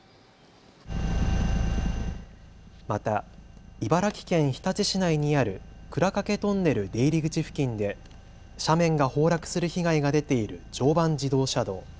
また茨城県日立市内にある鞍掛トンネル出入り口付近で斜面が崩落する被害が出ている常磐自動車道。